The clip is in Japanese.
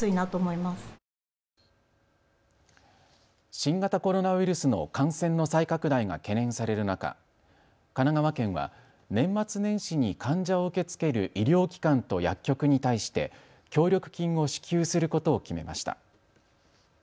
新型コロナウイルスの感染の再拡大が懸念される中、神奈川県は年末年始に患者を受け付ける医療機関と薬局に対して協力金を支給することを決めました。